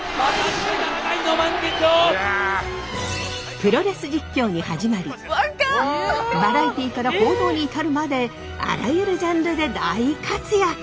プロレス実況に始まりバラエティーから報道に至るまであらゆるジャンルで大活躍。